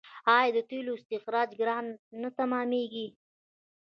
آیا د تیلو استخراج ګران نه تمامېږي؟